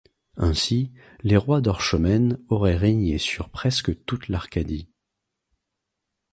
Ainsi, les rois d'Orchomène auraient régné sur presque toute l'Arcadie.